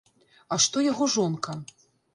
А што яго жонка?